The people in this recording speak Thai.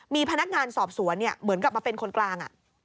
มีพนักงานสอบสวนเหมือนกลับมาเป็นคนกลาง